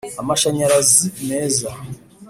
amashanyarazi meza.